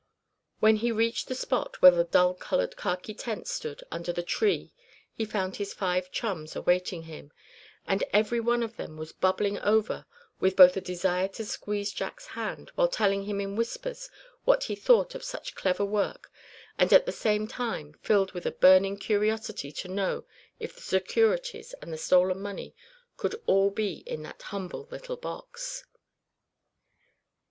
When he reached the spot where the dull colored khaki tent stood under the tree he found his five chums awaiting him; and every one of them was bubbling over with both a desire to squeeze Jack's hand, while telling him in whispers what he thought of such clever work and at the same time filled with a burning curiosity to know if the securities and the stolen money could all be in that humble little box.